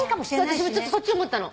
私もちょっとそっち思ったの。